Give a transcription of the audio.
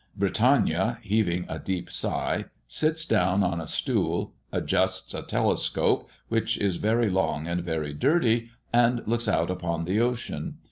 Britannia, heaving a deep sigh, sits down on a stool, adjusts a telescope, which is very long and very dirty, and looks out upon the ocean.